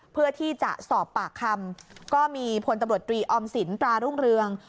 เพื่อที่จะสอบปากคำก็มีพลตำรวจตรีออมสินตรารุ่งเรือง